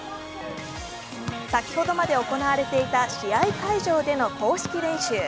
先ほどまで行われていた試合会場での公式練習。